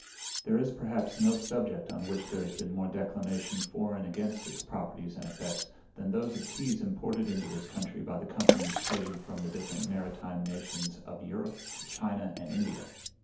There is, perhaps, no subject on which there has been more declamation, for and against its properties and effects, than those of teas imported into this country by the companies trading from the different maritime nations of Europe to China and India.